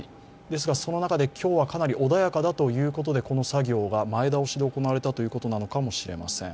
ですが今日はかなり潮が穏やかだということで前倒しで行われたということなのかもしれません。